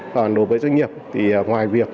còn đối với doanh nghiệp thì ngoài việc